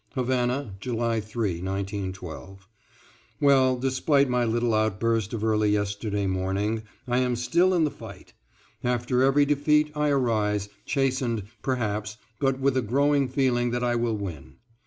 =Havana, July 3, 1912.= Well, despite my little outburst of early yesterday morning, I am still in the fight. After every defeat I arise, chastened, perhaps, but with a growing feeling that I will win.